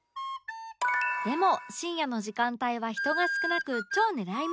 でも深夜の時間帯は人が少なく超狙い目！